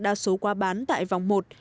đa số qua bán tại vòng một